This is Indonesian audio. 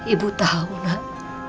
ibu tau nak